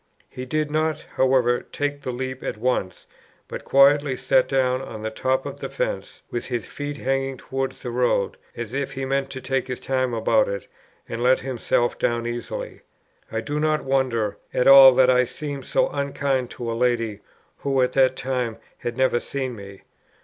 He did not, however, take the leap at once, but quietly sat down on the top of the fence with his feet hanging towards the road, as if he meant to take his time about it, and let himself down easily." I do not wonder at all that I thus seemed so unkind to a lady, who at that time had never seen me.